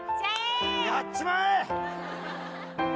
やっちまえ！